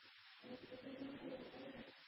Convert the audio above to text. دوی به د سر په بیه له مسلطو ارزښتونو سره جنګېدل.